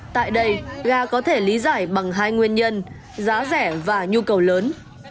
tại đây ga có thể lý giải bằng hai nguyên nhân giá rẻ và nhu cầu lớn